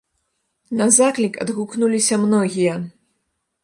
На заклік адгукнуліся многія.